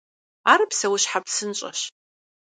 Ар псэущхьэ псынщӏэщ.